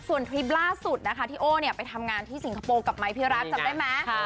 ส่วนทริปล่าสุดนะคะที่โอ้เนี่ยไปทำงานที่สิงคโปร์กับไมค์พี่รัฐจำได้ไหม